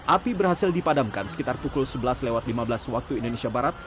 api berhasil dipadamkan sekitar pukul sebelas lewat lima belas waktu indonesia barat